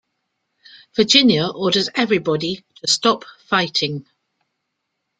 Virginia orders everybody to stop fighting.